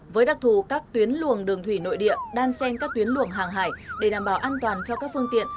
với đặc thù các tuyến luồng đường thủy nội địa đan sen các tuyến luồng hàng hải để đảm bảo an toàn cho các phương tiện